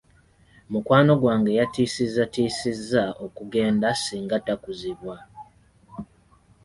Mukwano gwange yatiisizzatiisizza okugenda singa takuzibwa.